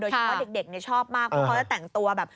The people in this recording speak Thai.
เฉพาะเด็กชอบมากเพราะเขาจะแต่งตัวแบบ